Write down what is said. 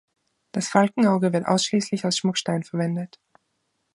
Das Falkenauge wird ausschließlich als Schmuckstein verwendet.